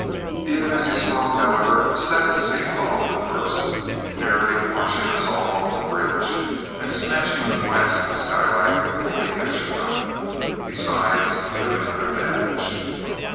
Even as he spoke, however, a second sea followed the first, nearly washing us all off the bridge, and smashing the glass of the skylight over the engine room, besides doing other damage.